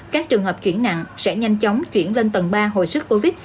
các trường hợp chuyển nặng sẽ nhanh chóng chuyển lên tầng ba hồi sức covid